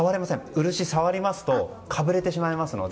ウルシは触りますとかぶれてしまいますので。